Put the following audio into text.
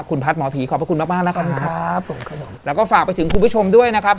คุณพัทรหมอผีขอบคุณมากแล้วก็ฝากไปถึงคุณผู้ชมด้วยนะครับ